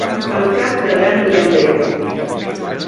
El cap del gran Pirandello.